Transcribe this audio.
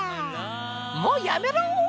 もうやめろ！